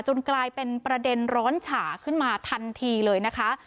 กลายเป็นประเด็นร้อนฉาขึ้นมาทันทีเลยนะคะ